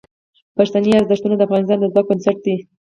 پښتني ارزښتونه د افغانستان د ځواک بنسټ دي.